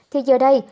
thì giờ đây